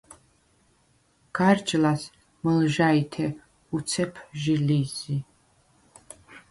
გარჯ ლას მჷლჟაჲთე უცეფ ჟი ლი̄ზი.